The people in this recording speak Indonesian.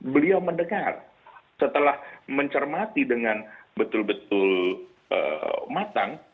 beliau mendengar setelah mencermati dengan betul betul matang